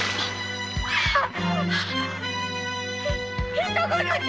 人殺し！